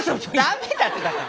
ダメだってだから。